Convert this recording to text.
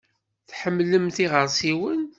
Tḥemmlemt iɣersiwen?